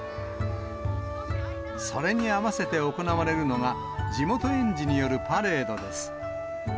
それに合わせて行われるのが、地元園児によるパレードです。